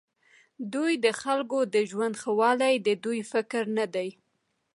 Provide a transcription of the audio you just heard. دوی د خلکو د ژوند ښهوالی د دوی فکر نه دی.